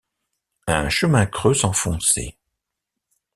Un chemin creux s’enfonçait.